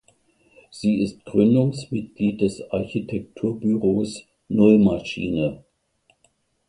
Sie ist Gründungsmitglied des Architekturbüros „Nullmaschine“.